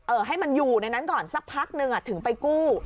ให้มันอยู่ในนั้นก่อนสักพักนึงถึงไปกู้